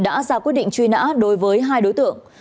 đã ra quyết định truy nã đối với hai đối tượng